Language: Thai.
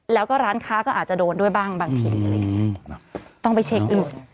แล้วก็ร้านค้าก็อาจจะโดนด้วยบ้างบางทีต้องไปเช็คอื่น